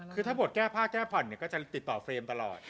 คือถ้าบทแก้ผ้าแก้ผ่อนก็จะติดต่อเฟรมตลอด